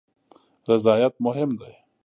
رضایت مهم دی